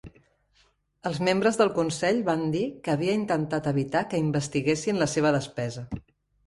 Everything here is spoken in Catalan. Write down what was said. Els membres del Consell van dir que havia intentat evitar que investiguessin la seva despesa.